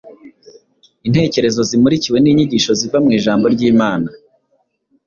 intekerezo zimurikiwe n’inyigisho ziva mu ijambo ry’imana